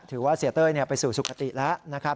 ถือว่าเสียเต้ยไปสู่สุขติแล้วนะครับ